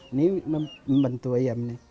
ini membantu ayamnya